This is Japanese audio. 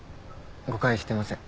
誤解してません。